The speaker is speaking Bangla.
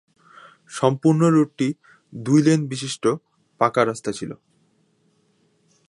সম্পূর্ণ রুটটি দুই লেন বিশিষ্ট, পাকা রাস্তা ছিল।